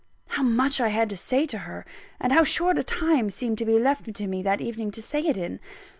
How much I had to say to her, and how short a time seemed to be left me that evening to say it in!